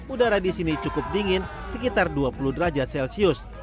udara di sini cukup dingin sekitar dua puluh derajat celcius